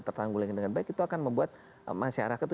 tertanggul dengan baik itu akan membuat masyarakat